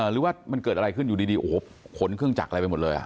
หรือว่ามันเกิดอะไรขึ้นอยู่ดีโอ้โหขนเครื่องจักรอะไรไปหมดเลย